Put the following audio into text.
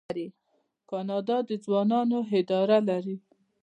کاناډا د ځوانانو اداره لري.